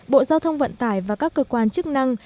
bộ giao thông vận tải và các cơ quan chức năng